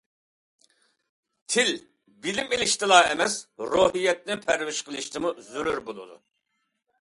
تىل بىلىم ئېلىشتىلا ئەمەس، روھىيەتنى پەرۋىش قىلىشتىمۇ زۆرۈر بولىدۇ.